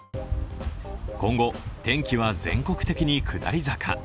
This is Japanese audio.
今後、天気は全国的に下り坂。